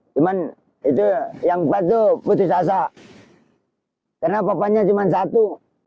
cuman itu yang empat itu putus asa karena papanya cuma satu